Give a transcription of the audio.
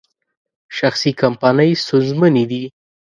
شخصي کمپنۍ ستونزمنې دي.